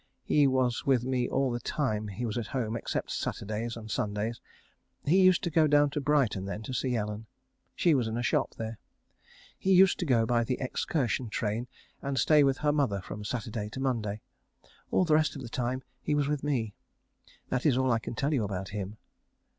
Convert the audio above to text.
He was with me all the time he was at home except Saturdays and Sundays. He used to go down to Brighton then to see Ellen. She was in a shop there. He used to go by the excursion train and stay with her mother from Saturday to Monday. All the rest of the time he was with me. That is all I can tell you about him.